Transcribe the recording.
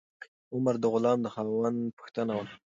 عمر د غلام د خاوند پوښتنه وکړه.